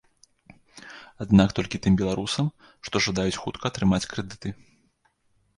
Аднак толькі тым беларусам, што жадаюць хутка атрымаць крэдыты.